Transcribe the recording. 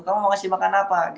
kamu mau kasih makan apa